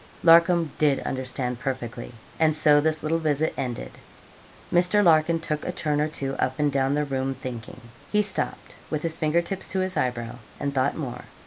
Larcom did understand perfectly, and so this little visit ended. Mr. Larkin took a turn or two up and down the room thinking. He stopped, with his fingertips to his eyebrow, and thought more.